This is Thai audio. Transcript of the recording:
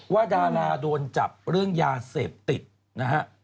ดาราโดนจับเรื่องยาเสพติดนะฮะ